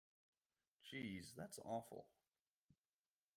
Jeez, that's awful!